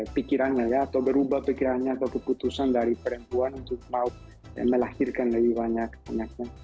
pikirannya ya atau berubah pikirannya atau keputusan dari perempuan untuk mau melahirkan lebih banyak anaknya